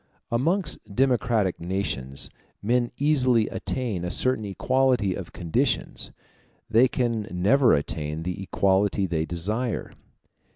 Amongst democratic nations men easily attain a certain equality of conditions: they can never attain the equality they desire.